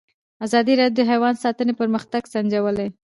ازادي راډیو د حیوان ساتنه پرمختګ سنجولی.